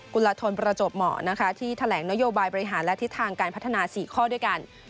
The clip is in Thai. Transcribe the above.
กลธนประจวบเหมาะนะคะที่แถลงนโยบายบริหารและทิศทางการพัฒนา๔ข้อด้วยกัน